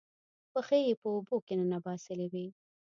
پښې یې په اوبو کې ننباسلې وې